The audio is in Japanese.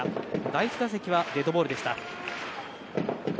第１打席はデッドボールでした。